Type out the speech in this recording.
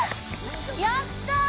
やった！